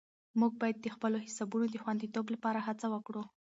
موږ باید د خپلو حسابونو د خوندیتوب لپاره هڅه وکړو.